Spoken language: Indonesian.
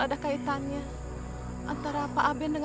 key deskrim fissur di mana ada un parasone pervadukutuh unsia